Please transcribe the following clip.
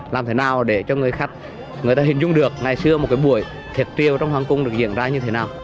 làm thế nào để cho người khác người ta hình dung được ngày xưa một cái buổi thiệt triều trong hoàng cung được diễn ra như thế nào